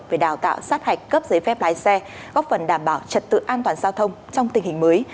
về đào tạo sát hạch cấp giấy phép lái xe góp phần đảm bảo trật tự an toàn giao thông trong tình hình mới